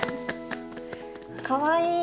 かわいい！